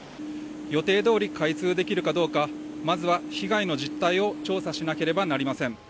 予定通り開通できるかどうか、まずは被害の実態を調査しなければなりません